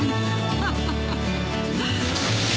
ハハハッ。